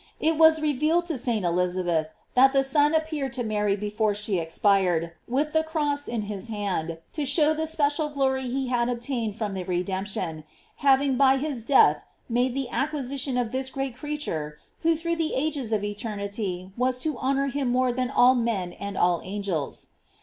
It was revealed to St. Elizabeth, that the Son appeared to Mary before she expired, with the cross in his hand, to show the special glory he had ob tained from the redemption, having by his death made the acquisition of this great creat ure, who through the ages of eternity was to honor him more than all men and all angels.